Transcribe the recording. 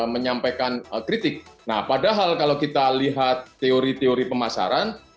menyampaikan kritik nah padahal kalau kita lihat teori teori pemasaran